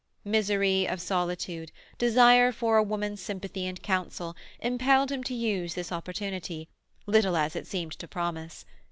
Misery of solitude, desire for a woman's sympathy and counsel, impelled him to use this opportunity, little as it seemed to promise.